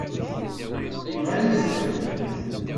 Inɣa-yi usemmiḍ.